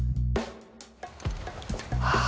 ああ。